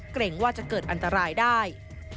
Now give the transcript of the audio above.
เกรงว่าจะเกิดอันตรายได้